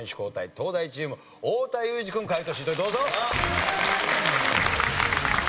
東大チーム太田裕二君解答シートへどうぞ。